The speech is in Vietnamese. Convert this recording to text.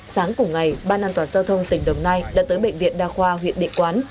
sáng cùng ngày ban an toàn giao thông tỉnh đồng nai đã tới bệnh viện đa khoa huyện địa quán